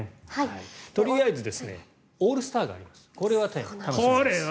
とりあえずオールスターがあります。